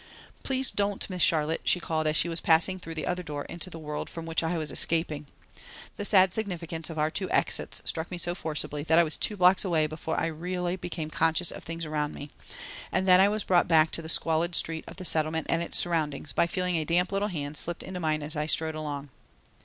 "Please don't, Miss Charlotte," she called, as she was passing through the other door into the world from which I was escaping. The sad significance of our two exits struck me so forcibly that I was two blocks away before I really became conscious of things around me, and then I was brought back to the squalid street of the Settlement and its surroundings by feeling a damp little hand slipped into mine as I strode along.